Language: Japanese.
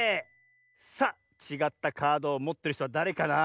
さあちがったカードをもってるひとはだれかな？